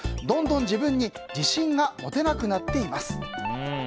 どんどん自分に自信が持てなくなっています。